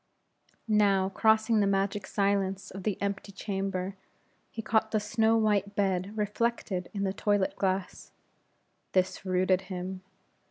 Now, crossing the magic silence of the empty chamber, he caught the snow white bed reflected in the toilet glass. This rooted him.